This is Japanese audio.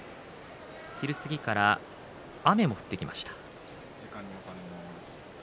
昼過ぎから雨も降ってきました。